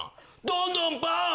どんどんパン！